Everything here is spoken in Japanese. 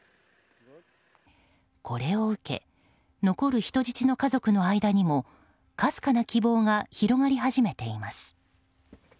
これを受け残る人質の家族の間にもかすかな希望が広がり始めています。